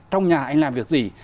trong nhà anh làm việc gì